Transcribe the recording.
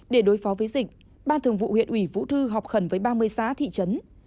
để đối phó với dịch ban thường vụ huyện ủy vũ thư họp khẩn với ba mươi xã thị trấn